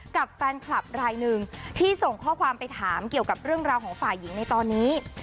กับแฟนคลับรายหนึ่งที่ส่งข้อความไปถามเกี่ยวกับเรื่องราวของฝ่ายหญิงในตอนนี้